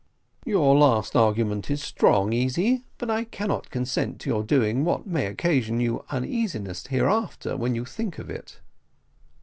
"Your last argument is strong, Easy, but I cannot consent to your doing what may occasion you uneasiness hereafter when you think of it."